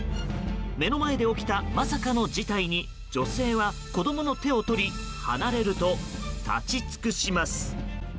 目の前で起きた、まさかの事態に女性は子供の手を取り、離れると立ち尽くします。